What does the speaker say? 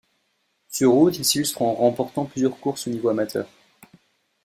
Sur route, il s'illustre en remportant plusieurs courses au niveau amateur.